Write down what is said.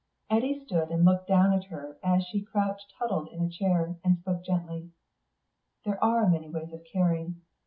Eddy stood and looked down at her as she crouched huddled in a chair, and spoke gently. "There are many ways of caring.